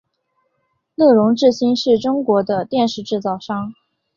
乐融致新是中国的电视制造商。